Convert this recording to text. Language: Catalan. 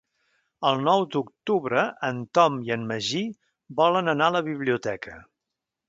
El nou d'octubre en Tom i en Magí volen anar a la biblioteca.